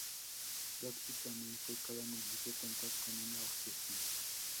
Prácticamente cada municipio cuenta con una orquesta.